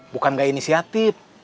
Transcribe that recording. bukan gak inisiatif